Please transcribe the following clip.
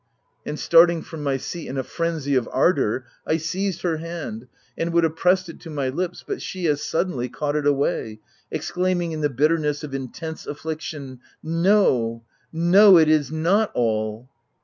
And starting from my seat in a frenzy of ardour, I seized her hand and w r ould have pres sed it to my lips, but she as suddenly caught it away, exclaiming in the bitterness of intense affliction :—" No, no, it is not all